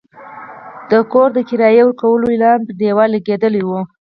د کور د کرایې ورکولو اعلان پر دېوال لګېدلی و.